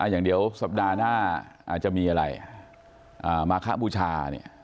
อย่างเดี๋ยวสัปดาห์หน้าอาจจะมีอะไรมาคะบูชาเนี่ย